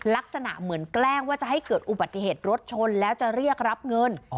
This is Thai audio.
ลักษณะเหมือนแกล้งว่าจะให้เกิดอุบัติเหตุรถชนแล้วจะเรียกรับเงิน